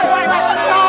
tau tau tau